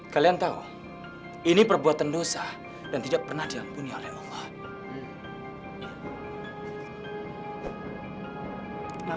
kalian tahu ini perbuatan dosa dan tidak pernah diampuni oleh allah